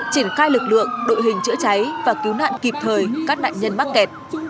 triển khai lực lượng đội hình chữa cháy và cứu nạn kịp thời các nạn nhân mắc kẹt